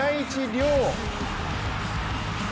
亮！